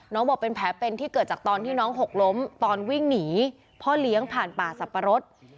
บอกเป็นแผลเป็นที่เกิดจากตอนที่น้องหกล้มตอนวิ่งหนีพ่อเลี้ยงผ่านป่าสับปะรด